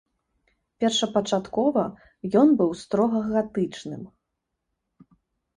Першапачаткова ён быў строга гатычным.